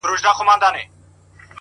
• مستي؛ مستاني؛ سوخي؛ شنګي د شرابو لوري؛